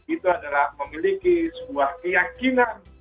itu adalah memiliki sebuah keyakinan